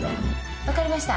分かりました。